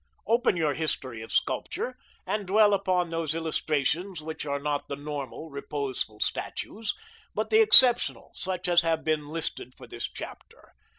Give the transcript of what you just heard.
Open your history of sculpture, and dwell upon those illustrations which are not the normal, reposeful statues, but the exceptional, such as have been listed for this chapter.